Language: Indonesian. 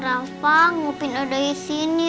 rafa mau pindah dari sini